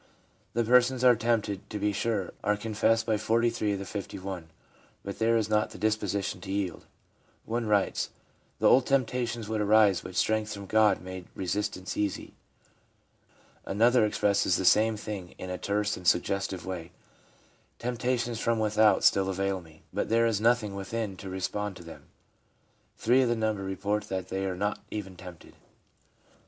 The persons are tempted, to be sure, as confessed by 43 of the 51 ; but there is not the disposition to yield. One writes :' The old temptations would arise, but strength from God made resistance easy.' Another expresses the same thing in a terse and suggestive way: ' Temptations from without still assail me, but there is nothing within to respond to them.' Three of the number report that they are not even tempted.